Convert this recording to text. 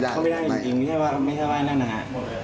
เข้าไม่ได้จริงไม่ใช่แบบนั้นนะครับ